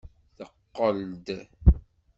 Teqqel-d.